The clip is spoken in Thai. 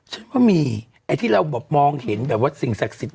เชื่อว่ามีแหลที่พี่เราบอกว่ามองเห็นแบบสิ่งศักดิ์สิทธิ์